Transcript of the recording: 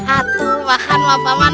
aduh makan paman